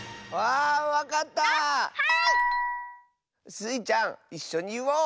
スイちゃんいっしょにいおう！